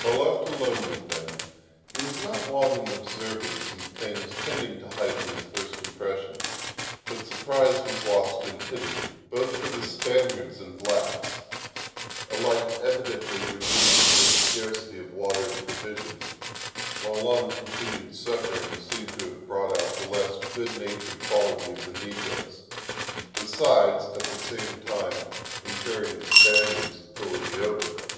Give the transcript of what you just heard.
While left alone with them, he was not long in observing some things tending to heighten his first impressions; but surprise was lost in pity, both for the Spaniards and blacks, alike evidently reduced from scarcity of water and provisions; while long continued suffering seemed to have brought out the less good natured qualities of the negroes, besides, at the same time, impairing the Spaniard's authority over them.